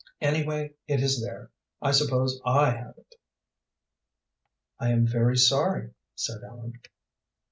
Anyway, it is there. I suppose I have it." "I am very sorry," said Ellen.